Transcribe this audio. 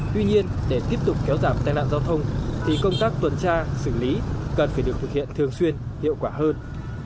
tuy nhiên để tiếp tục kéo giảm tai nạn giao thông thì công tác tuần tra xử lý cần phải được thực hiện thường xuyên hiệu quả hơn